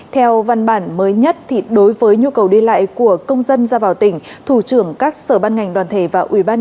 theo văn bản mới nhất đối với nhu cầu đi lại của công dân ra vào tỉnh thủ trưởng các sở ban ngành đoàn thể và ủy ban